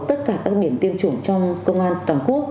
tất cả các điểm tiêm chủng trong công an toàn quốc